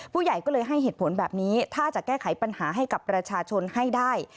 ผู้ใหญ่ก็เลยให้เหตุผลแบบนี้ถ้าจะแก้ไขปัญหาให้กับประชาชนให้ได้